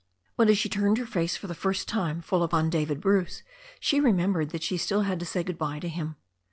But as she turned her face for the first time full upon David Bruce she remembered that she still had to say good bye to him.